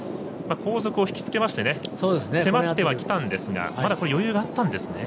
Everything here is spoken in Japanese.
後続を引き付けまして迫ってはきたんですがまだ余裕があったんですね。